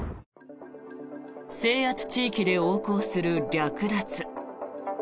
制圧地域で横行する略奪。